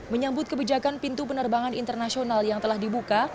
menyambut kebijakan pintu penerbangan internasional yang telah dibuka